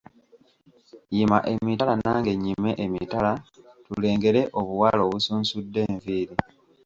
Yima emitala nange nnyime emitala tulengere obuwala obusunsudde enviiri.